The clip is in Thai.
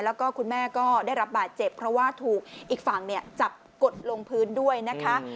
แล้วก็คุณแม่ก็ได้รับบาดเจ็บเพราะว่าถูกอีกฝั่งจับกดลงพื้นด้วยนะคะ